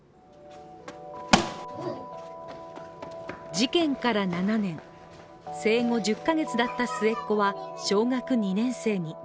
事件から７年、生後１０か月だった末っ子は小学２年生に。